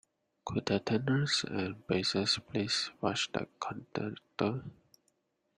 Could the tenors and basses please watch the conductor?